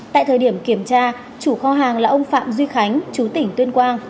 tại thời điểm kiểm tra chủ kho hàng là ông phạm duy khánh chú tỉnh tuyên quang